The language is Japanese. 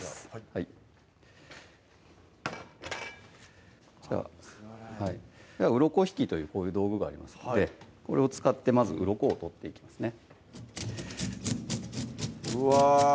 はい水洗いはいうろこ引きというこういう道具がありますのでこれを使ってまずうろこを取っていきますねうわ